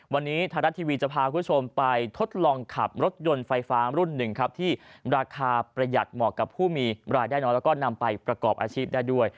วันนี้ไทยรัฐทีวีจะพาคุณผู้ชมไปทดลองขับรถยนต์ไฟฟ้ารุ่นหนึ่งครับที่ราคาประหยัดเหมาะกับผู้มีรายได้น้อยแล้วก็นำไปประกอบอาชีพได้ด้วย